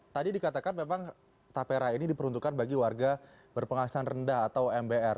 tadi dikatakan memang tapera ini diperuntukkan bagi warga berpenghasilan rendah atau mbr